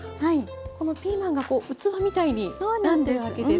このピーマンが器みたいになってるわけですか。